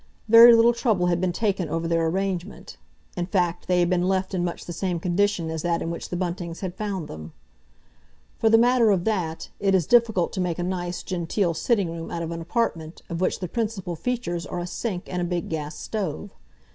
Very little trouble had been taken over their arrangement; in fact, they had been left in much the same condition as that in which the Buntings had found them. For the matter of that, it is difficult to make a nice, genteel sitting room out of an apartment of which the principal features are a sink and a big gas stove.